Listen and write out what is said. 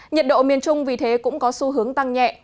nhiệt độ miền trung vì thế cũng có xu hướng tăng nhẹ